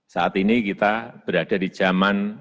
saat ini kita berada di zaman perang ai